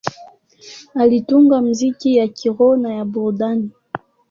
Alitunga muziki ya kiroho na ya burudani.